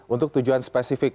untuk tujuan spesifik